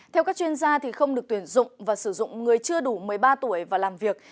theo các chuyên gia không được tuyển dụng và sử dụng người chưa đủ một mươi ba tuổi và làm việc